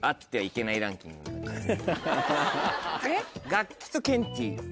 楽器とケンティー。